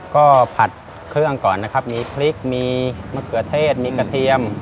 ก็ผัดเครื่องก่อนนะครับมีพริกมีมะเขือเทศมีกระเทียม